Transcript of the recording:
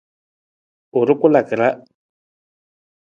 U rukulaka ra.